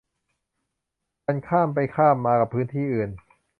มันข้ามไปข้ามมากับพื้นที่อื่น